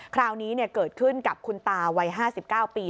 คราวนี้เกิดขึ้นกับคุณตาวัย๕๙ปี